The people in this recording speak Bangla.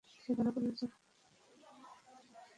সে ধরা পড়ে গেছে।